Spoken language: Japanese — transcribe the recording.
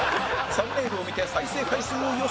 サムネイルを見て再生回数を予想！